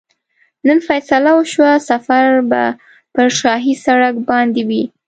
نن فیصله وشوه سفر به پر شاهي سړک باندې وي.